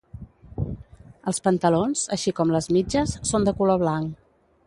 Els pantalons així com les mitges són de color blanc.